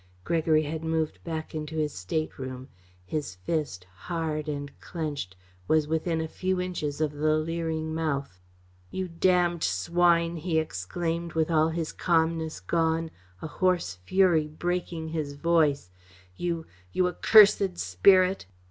Gregory had moved back into his stateroom. His fist, hard and clenched, was within a few inches of the leering mouth. "You damned swine!" he exclaimed, with all his calmness gone, a hoarse fury breaking his voice. "You you accursed spirit!"